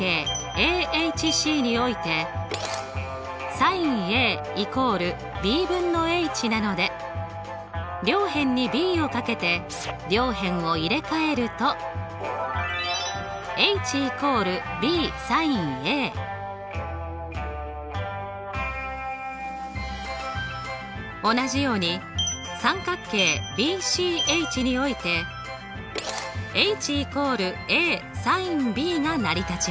ＡＨＣにおいてなので両辺にｂを掛けて両辺を入れ替えると同じように三角形ＢＣＨにおいてｈ＝ｓｉｎＢが成り立ちます。